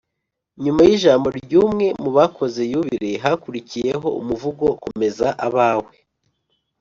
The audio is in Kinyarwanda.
nyuma y’ijambo ry’umwe mu bakoze yubile, hakurikiyeho umuvugo « komeza abawe »